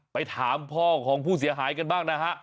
ไปถามพ่อของผู้เสียหายกันบ้างนะฮะ